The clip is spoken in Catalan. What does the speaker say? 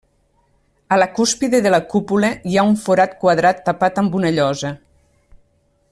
A la cúspide de la cúpula hi ha un forat quadrat tapat amb una llosa.